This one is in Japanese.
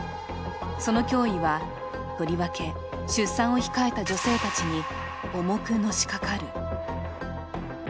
その脅威はとりわけ出産を控えた女性たちに重くのしかかる。